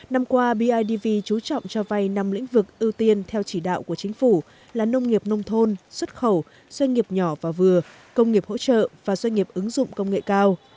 năm qua bidv chú trọng cho vay năm lĩnh vực ưu tiên theo chỉ đạo của chính phủ là nông nghiệp nông thôn xuất khẩu doanh nghiệp nhỏ và vừa công nghiệp hỗ trợ và doanh nghiệp ứng dụng công nghệ cao